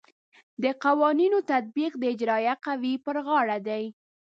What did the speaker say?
د قوانینو تطبیق د اجرائیه قوې پر غاړه دی.